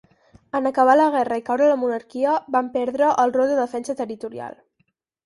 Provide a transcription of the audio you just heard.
En acabar la guerra i caure la monarquia, van perdre el rol de defensa territorial.